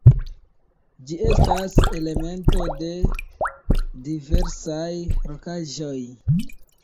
Ĝi estas elemento de diversaj rokaĵoj.